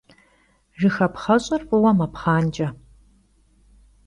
Jjıxapxheş'er f'ıue mepxhanç'e.